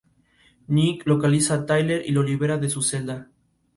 Nick localiza a Tyler y lo libera de su celda.